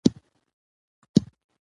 کم ساعتونه هم تولیدیت لوړ ساتلی شي.